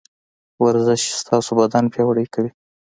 ورزش ستاسو بدن پياوړی کوي.